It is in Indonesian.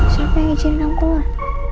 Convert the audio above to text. siapa yang izinin aku lah